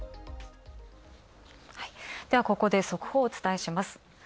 ここで速報をお伝えします。